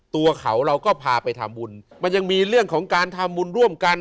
ตัวเขาเราก็พาไปทำบุญมันยังมีเรื่องของการทำบุญร่วมกัน